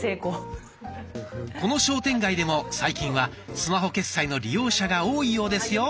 この商店街でも最近はスマホ決済の利用者が多いようですよ。